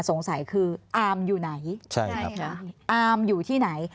สงสัยคืออามอยู่ไหนใช่ค่ะอามอยู่ที่ไหน